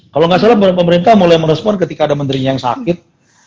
kalau nggak salah pemerintah mulai merespon ketika ada menterinya yang sakit